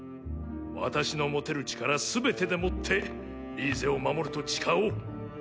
私の持てる力全てでもってリーゼを守ると誓おう。